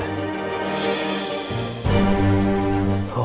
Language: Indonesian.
aku gak mau jadi siapa